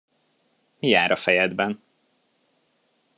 Mi jár a fejedben?